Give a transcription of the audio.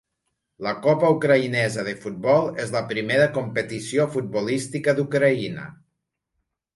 La Copa Ucraïnesa de futbol és la primera competició futbolística d'Ucraïna.